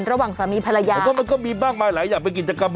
ระหว่างสามีภรรยาผมว่ามันก็มีมากมายหลายอย่างเป็นกิจกรรม